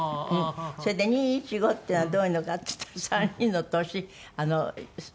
それで「２１５」っていうのはどういうのかっていったら３人の年足してみました。